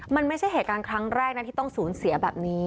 มันไม่ใช่เหตุการณ์ครั้งแรกนะที่ต้องสูญเสียแบบนี้